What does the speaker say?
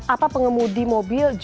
apa pengemudi mobil juga sih